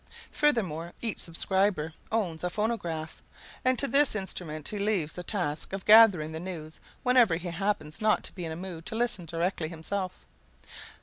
Furthermore, each subscriber owns a phonograph, and to this instrument he leaves the task of gathering the news whenever he happens not to be in a mood to listen directly himself.